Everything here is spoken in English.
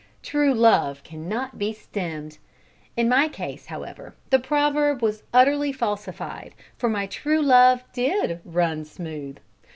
True love cannot be stemmed! In my case, however, the proverb was utterly falsified, for my true love did "run smooth."